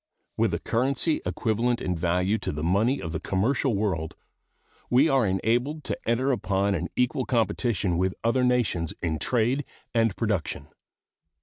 With a currency equivalent in value to the money of the commercial world, we are enabled to enter upon an equal competition with other nations in trade and production.